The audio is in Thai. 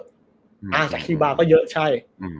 จากคิวบาร์ก็เยอะใช่